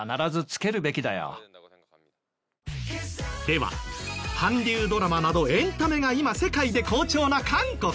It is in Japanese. では韓流ドラマなどエンタメが今世界で好調な韓国。